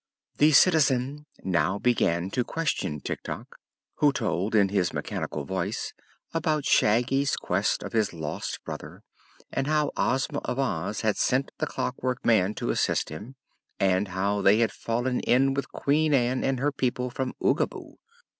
The Citizen now began to question Tik Tok, who told in his mechanical voice about Shaggy's quest of his lost brother, and how Ozma of Oz had sent the Clockwork Man to assist him, and how they had fallen in with Queen Ann and her people from Oogaboo.